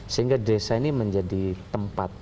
sehingga desa ini menjadi tempat